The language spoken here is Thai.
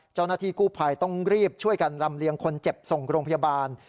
เจ้าหน้าที่กู้ภัยต้องรีบช่วยกันลำเลียงคนเจ็บส่งโรงพยาบาล